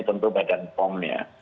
tentu badan pom nya